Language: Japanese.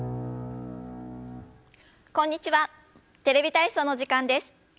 「テレビ体操」の時間です。